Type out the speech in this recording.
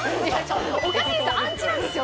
おかしいですよ